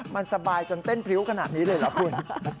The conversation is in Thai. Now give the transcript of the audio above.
มันสบายจนเต้นพริ้วขนาดนี้เลยเหรอคุณ